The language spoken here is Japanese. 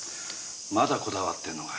まだこだわってんのかよ。